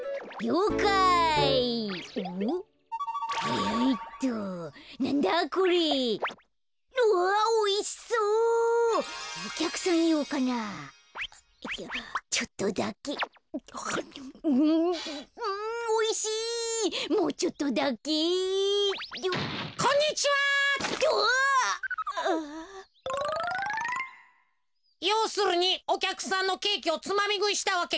ようするにおきゃくさんのケーキをつまみぐいしたわけか。